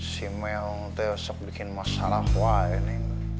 si mel tuh bikin masalah wah ini